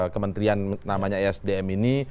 kementerian namanya esdm ini